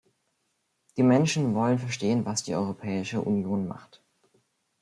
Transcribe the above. Die Menschen wollen verstehen, was die Europäische Union macht.